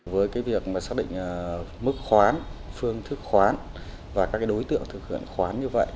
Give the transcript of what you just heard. với việc xác định mức khoán phương thức khoán và các đối tượng thực hiện khoán như vậy